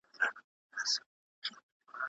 طبي پوهنځۍ سمدلاسه نه تطبیقیږي.